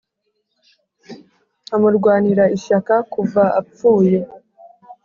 amurwanira ishyaka kuva apfuye.